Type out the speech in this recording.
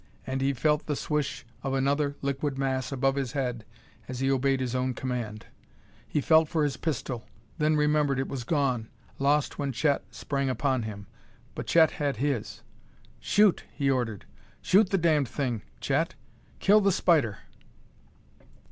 And he felt the swish of another liquid mass above his head as he obeyed his own command. He felt for his pistol, then remembered it was gone lost when Chet sprang upon him. But Chet had his. "Shoot!" he ordered. "Shoot the damned thing, Chet! Kill the spider!"